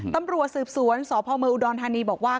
ตำรวจสืบสวนสพเมืองอุดรธานีบอกว่า